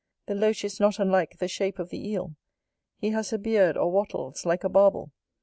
The Loach is not unlike the shape of the Eel: he has a beard or wattles like a barbel.